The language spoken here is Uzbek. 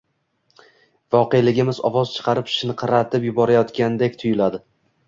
voqeligimiz ovoz chiqarib chinqirab yuborayotgandek tuyuladi.